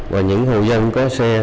và những hồ dân có xe